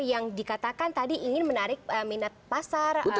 yang dikatakan tadi ingin menarik minat pasar